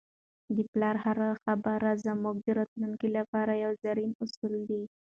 د پلار هره خبره زموږ د راتلونکي ژوند لپاره یو زرین اصل دی.